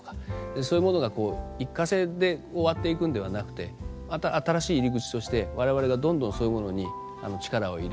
そういうものが一過性で終わっていくのではなくてまた新しい入り口として我々がどんどんそういうものに力を入れて。